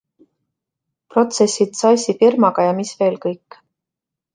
Protsessid Zeissi firmaga ja mis veel kõik.